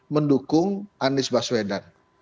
mendukung anies baswedan